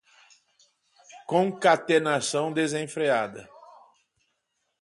concatenação desenfreada